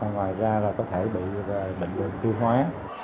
ngoài ra là có thể bị bệnh tiêu hóa